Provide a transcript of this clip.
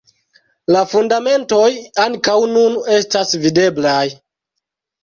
La fundamentoj ankaŭ nun estas videblaj.